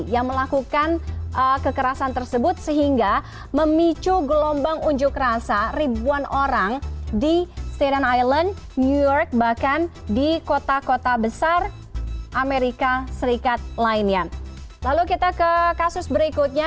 setelah itu dia menjatuhkan tuduhan perbuatan kriminal tersebut